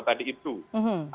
tidak terdakwa tadi itu